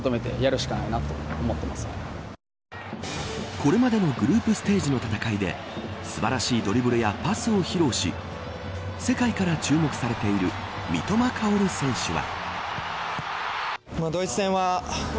これまでのグループステージの戦いで素晴らしいドリブルやパスを披露し世界から注目されている三笘薫選手は。